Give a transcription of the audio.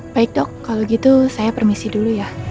baik dok kalau gitu saya permisi dulu ya